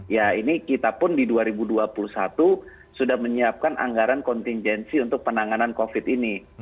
ya ini kita pun di dua ribu dua puluh satu sudah menyiapkan anggaran kontingensi untuk penanganan covid ini